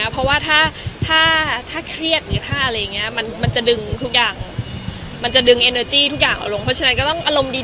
เพราะที่ถ้าเครียดจะดึงทุกอย่างเอนอรุณทุกอย่างลงเราก็ต้องอารมณ์ดี